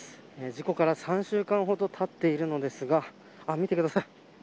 事故から３週間ほどたっているのですが見てください。